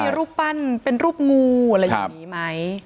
มีรูปปั้นเป็นรูปงูอะไรอย่างนี้ไหม